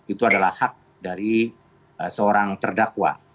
itu adalah hak dari seorang terdakwa